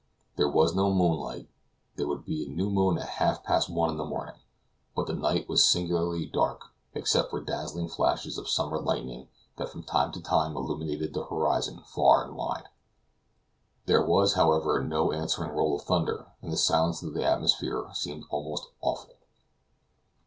There was no moonlight; there would be a new moon at half past one in the morning, but the night was singularly dark, except for dazzling flashes of summer lightning that from time to time illuminated the horizon far and wide. There was, however, no answering roll of thunder, and the silence of the atmosphere seemed almost awful.